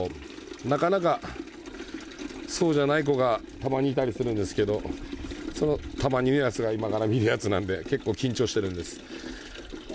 なかなかそうじゃない子がたまにいたりするんですけどそのたまにいるやつが今から見るやつなんで結構緊張してるんです。